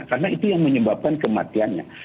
karena itu yang menyebabkan kematiannya